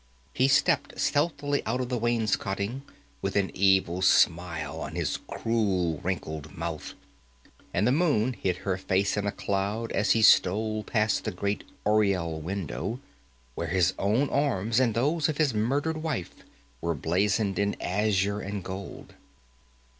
He stepped stealthily out of the wainscoting, with an evil smile on his cruel, wrinkled mouth, and the moon hid her face in a cloud as he stole past the great oriel window, where his own arms and those of his murdered wife were blazoned in azure and gold.